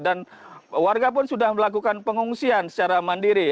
dan warga pun sudah melakukan pengungsian secara mandiri